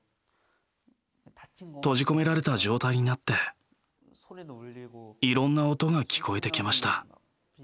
閉じ込められた状態になっていろんな音が聞こえてきました。